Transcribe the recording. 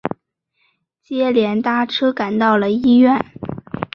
接连搭车赶到了医院